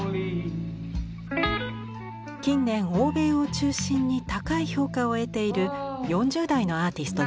近年欧米を中心に高い評価を得ている４０代のアーティストです。